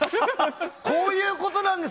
こういうことなんです。